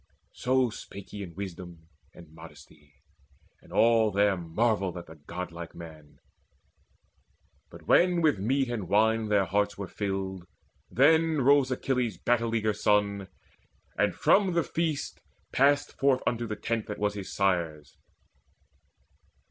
So spake he in wisdom and in modesty; And all there marvelled at the godlike man. But when with meat and wine their hearts were filled, Then rose Achilles' battle eager son, And from the feast passed forth unto the tent That was his sire's.